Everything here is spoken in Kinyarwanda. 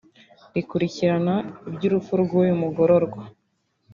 rikurikirana iby’urupfu rw’uyu mugororwa